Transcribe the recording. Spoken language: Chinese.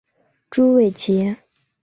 朱伟捷。